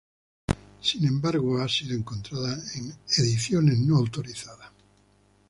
Sin embargo, ha sido encontrada en ediciones no autorizadas.